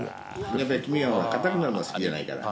やっぱり黄身は硬くなるのは好きじゃないから。